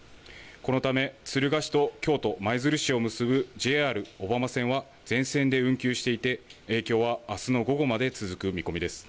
このため、敦賀市と京都・舞鶴市を結ぶＪＲ小浜線は全線で運休していて、影響はあすの午後まで続く見込みです。